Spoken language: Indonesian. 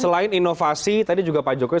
selain inovasi tadi juga pak jokowi